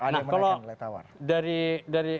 nah kalau dari dari